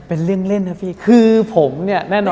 เป็นเรื่องเล่นนะพี่คือผมเนี่ยแน่นอน